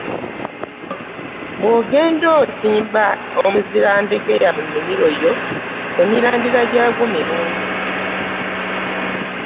Bw’ogenda ng’osimba omuzimbandegeya mu nnimiro yo emirandira gyagwo mirungi.